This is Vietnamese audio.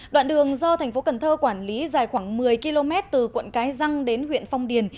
đoạn đường do thành phố cần thơ quản lý dài khoảng một mươi km từ quận cái răng đến huyện phong điền